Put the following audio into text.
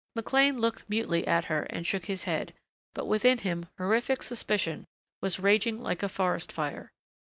McLean looked mutely at her and shook his head, but within him horrific suspicion was raging like a forest fire.